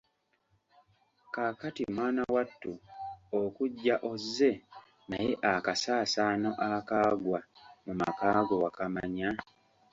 Kaakati mwana wattu okujja ozze, naye akasaasaano akaagwa mu makaago wakamanya?